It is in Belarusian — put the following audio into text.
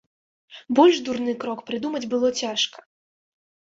Больш дурны крок прыдумаць было цяжка.